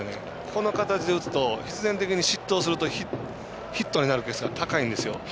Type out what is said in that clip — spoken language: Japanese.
この形で打つと必然的に失投するとヒットになるケースが高いんですよ。